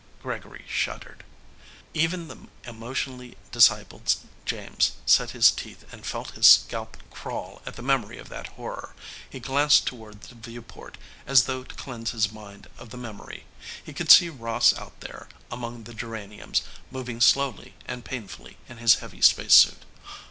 Gregory shuddered. Even the emotionally disciplined James set his teeth and felt his scalp crawl at the memory of that horror. He glanced toward the viewport, as though to cleanse his mind of the memory. He could see Ross out there, among the geraniums, moving slowly and painfully in his heavy spacesuit.